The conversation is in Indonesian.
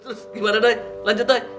terus gimana day lanjut day